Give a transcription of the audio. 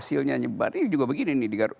ini juga begini